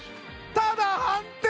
ただ判定！